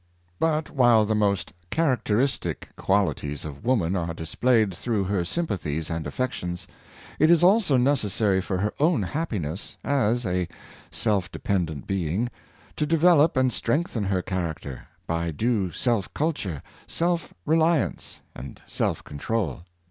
But while the most characteristic qualities of woman are displayed through her sympathies and affections, it is also necessary for her own happiness, as a self de pendent being, to develop and strengthen her charac ter, by due self culture, self reliance, and self control.